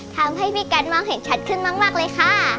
ทำให้พี่กัดมองเห็นชัดขึ้นมากเลยค่ะ